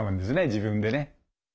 自分でね。